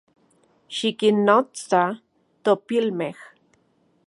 Xikinnotsa topilmej